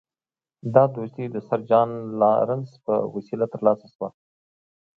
دا دوستي د سر جان لارنس په وسیله ترلاسه شوه.